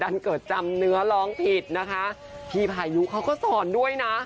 วันเกิดจำเนื้อร้องผิดนะคะพี่พายุเขาก็สอนด้วยนะ